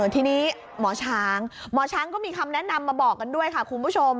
ทีนี้หมอช้างหมอช้างก็มีคำแนะนำมาบอกกันด้วยค่ะคุณผู้ชม